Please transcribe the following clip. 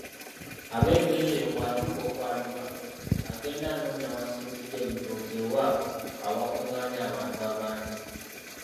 Ab’engeri eyo bw’atuuka okwanjulwa, agenda anoonya awasimbiddwa ebitooke oba awakunganye abantu abangi !